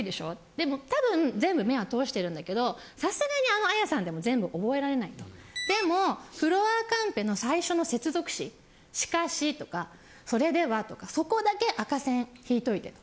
でも多分全部目は通してるんだけどさすがにあの彩さんでも全部覚えられないとでもフロアカンペの最初の接続詞しかしとかそれではとかそこだけ赤線引いといてと。